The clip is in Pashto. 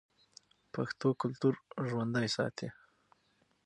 پښتو کلتور ژوندی ساتي.